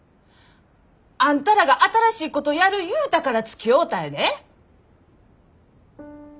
あんたらが新しいことやる言うたからつきおうたんやで。